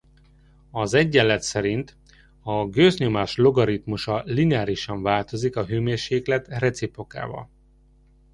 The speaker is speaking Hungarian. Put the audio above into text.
Az egyenlet szerint a gőznyomás logaritmusa lineárisan változik a hőmérséklet reciprokával.